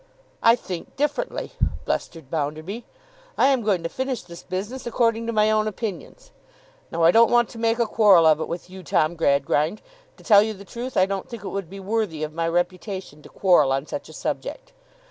'I think differently,' blustered Bounderby. 'I am going to finish this business according to my own opinions. Now, I don't want to make a quarrel of it with you, Tom Gradgrind. To tell you the truth, I don't think it would be worthy of my reputation to quarrel on such a subject.